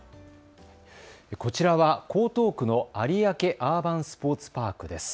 こちらは江東区の有明アーバンスポーツパークです。